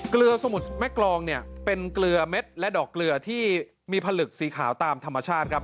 เกลือสมุดแม่กรองเนี่ยเป็นเกลือเม็ดและดอกเกลือที่มีผลึกสีขาวตามธรรมชาติครับ